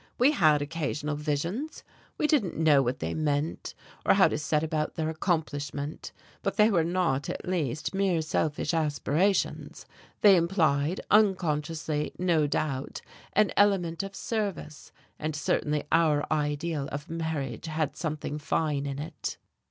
We had occasional visions. We didn't know what they meant, or how to set about their accomplishment, but they were not, at least, mere selfish aspirations; they implied, unconsciously no doubt, an element of service, and certainly our ideal of marriage had something fine in it."